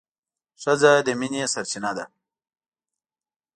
ښځه د مينې سرچينه ده